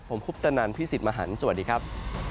ผมคุปตะนันพี่สิทธิ์มหันฯสวัสดีครับ